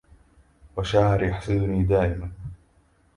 وشاعر يحسدني دائما